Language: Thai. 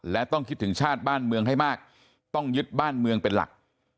และต้องคิดถึงชาติบ้านเมืองให้มากต้องยึดบ้านเมืองเป็นหลัก